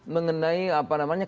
mengenai apa namanya